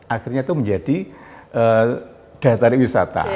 akhirnya itu menjadi daerah daerah wisata